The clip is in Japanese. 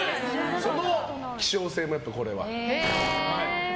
その希少性もこれは。